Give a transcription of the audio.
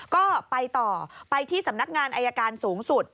ก็ไปต่อไปที่สำนักงานอายการสูงสุด